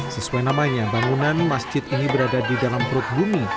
sesuai namanya bangunan masjid ini berada di dalam perut bumi